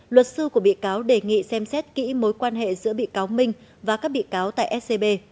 luật sư của bị cáo đề nghị xem xét kỹ mối quan hệ giữa bị cáo minh và các bị cáo tại scb